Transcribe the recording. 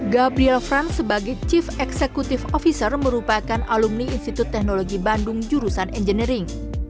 gabriel franz sebagai chief executive officer merupakan alumni institut teknologi bandung jurusan engineering